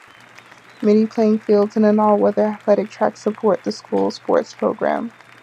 Many playing fields and an all-weather athletic track support the school's sports program.